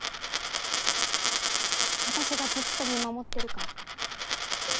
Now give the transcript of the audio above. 私がずっと見守ってるから。